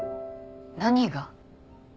何が？